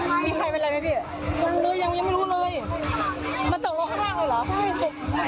มีใครเป็นไรไหมพี่ยังไม่รู้เลยมันตกลงข้างหลังเหรอใช่ใช่